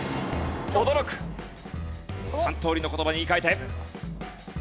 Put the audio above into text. ３通りの言葉に言い換えて。